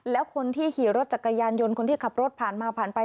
แล้วคนที่ขี่รถจักรยานยนต์คนที่ขับรถผ่านมาผ่านไป